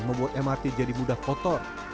membuat mrt jadi mudah kotor